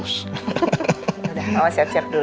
udah mama siap siap dulu ya